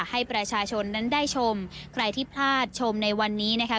ให้ประชาชนนั้นได้ชมใครที่พลาดชมในวันนี้นะคะ